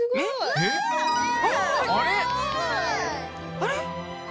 あれ？